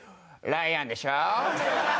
「ライアンでしょ」。